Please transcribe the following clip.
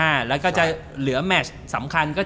เเลวยังจะเหลือแมคสำคัญก็ที่